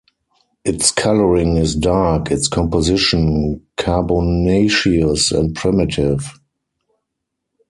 Its coloring is dark, its composition carbonaceous and primitive.